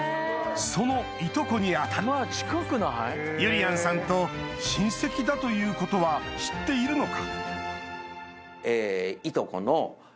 そのいとこに当たるゆりやんさんと親戚だということは知っているのか？